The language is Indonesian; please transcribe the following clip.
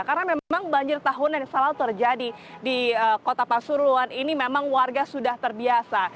karena memang banjir tahunan yang selalu terjadi di kota pasuruan ini memang warga sudah terbiasa